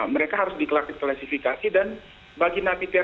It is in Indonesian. mereka harus diklasifikasi dan bagi napiter